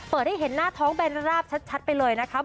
เปิดให้เห็นหน้าท้องแบรนด์ราบชัดไปเลยนะครับ